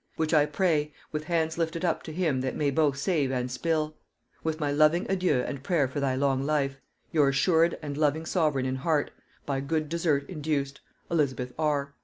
Which I pray, with hands lifted up to him that may both save and spill. With my loving adieu and prayer for thy long life, "Your assured and loving sovereign in heart, by good desert induced, "ELIZ. R."